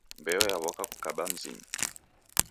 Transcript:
Mbeo yawoka kukaba mzinyi